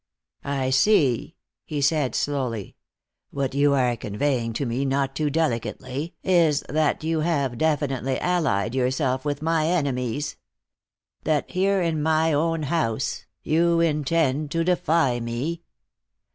"I see," he said, slowly. "What you are conveying to me, not too delicately, is that you have definitely allied yourself with my enemies. That, here in my own house, you intend to defy me.